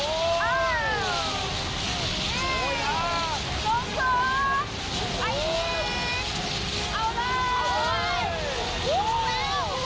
โอ้ยโอ้ยสูงเอาเลยอันสองคนสองคาราบาลแดง